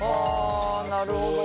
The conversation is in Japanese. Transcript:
あなるほど。